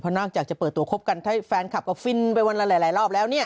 นอกจากจะเปิดตัวคบกันให้แฟนคลับก็ฟินไปวันละหลายรอบแล้วเนี่ย